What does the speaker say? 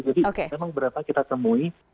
jadi memang beberapa kita temui